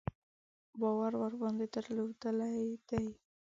باور ورباندې درلودلی دی.